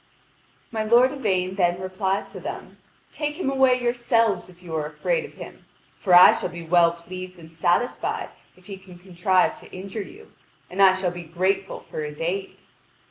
My lord Yvain then replies to them: "Take him away yourselves if you are afraid of him. For I shall be well pleased and satisfied if he can contrive to injure you, and I shall be grateful for his aid."